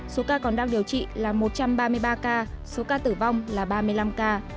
số ca còn đang điều trị là một trăm ba mươi ba ca số ca tử vong là ba mươi năm ca